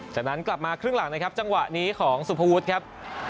จากนั้นกลับมาครึ่งหลังนะครับจังหวะนี้ของสุภวุฒิครับ